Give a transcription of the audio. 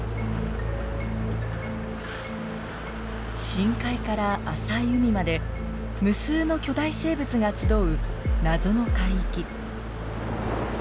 深海から浅い海まで無数の巨大生物が集う謎の海域。